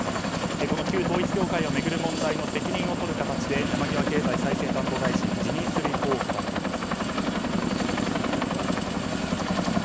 旧統一教会を巡る問題の責任を取る形で山際経済再生担当大臣辞任する意向を固めています。